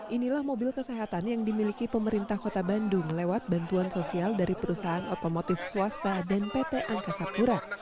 inilah mobil kesehatan yang dimiliki pemerintah kota bandung lewat bantuan sosial dari perusahaan otomotif swasta dan pt angkasa pura